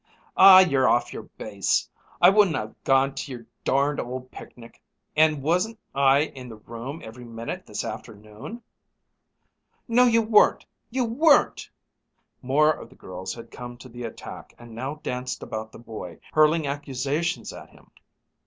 "Aw, you're off yer base! I wouldn't ha' gone to your darned old picnic an' wasn't I in the room every minute this afternoon?" "No, you weren't you weren't!" More of the girls had come to the attack, and now danced about the boy, hurling accusations at him.